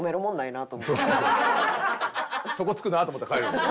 底つくなと思ったら帰るんで。